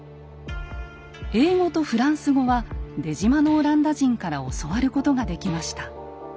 英語とフランス語は出島のオランダ人から教わることができました。